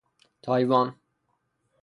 تایوان